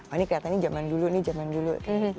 oh ini kelihatan ini jaman dulu ini jaman dulu